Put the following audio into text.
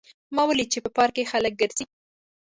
ما ولیدل چې په پارک کې خلک ګرځي